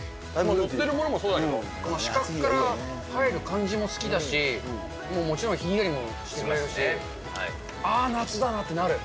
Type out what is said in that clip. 載ってるものもそうだけど、視覚から入る感じも好きだし、もちろん、ひんやりも好きだし、ああ、夏だなってなる。